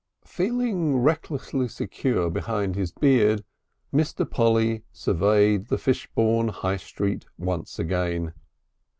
II Feeling recklessly secure behind his beard Mr. Polly surveyed the Fishbourne High Street once again.